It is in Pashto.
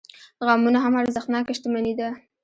غمونه هم ارزښتناکه شتمني ده.